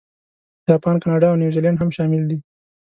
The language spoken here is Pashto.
جاپان، کاناډا، او نیوزیلانډ هم شامل دي.